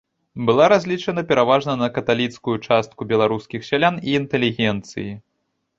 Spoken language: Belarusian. Была разлічана пераважна на каталіцкую частку беларускіх сялян і інтэлігенцыі.